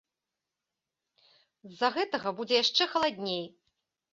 З-за гэтага будзе яшчэ халадней.